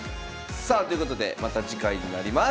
さあということでまた次回になります。